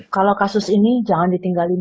kalau kasus ini jangan ditinggalin